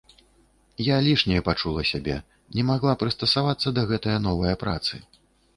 Я лішняй пачула сябе, не магла прыстасавацца да гэтае новае працы.